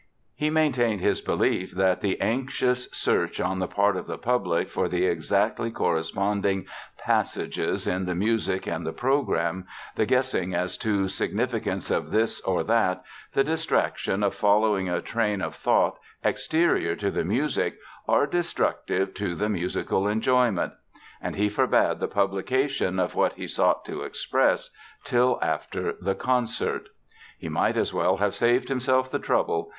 He maintained his belief "that the anxious search on the part of the public for the exactly corresponding passages in the music and the program, the guessing as to significance of this or that, the distraction of following a train of thought exterior to the music are destructive to the musical enjoyment." And he forbade the publication of what he sought to express till after the concert. [Illustration: Richard Strauss and Family] He might as well have saved himself the trouble!